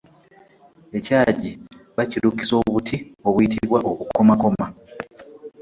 Ekyagi bakirukisa obuti obuyitibwa obukomakoma.